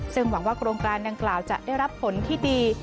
ซึ่งหวังว่าโครงการดังกล่าวจะได้รับผลที่ดี